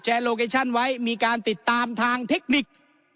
โลเคชั่นไว้มีการติดตามทางเทคนิค